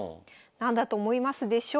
何だと思いますでしょうか？